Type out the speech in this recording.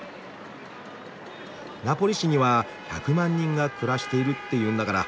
ナポリ市には１００万人が暮らしているっていうんだから。